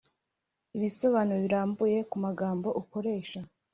ibisobanuro birambuye ku magambo ukoresha